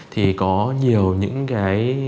thì có nhiều những cái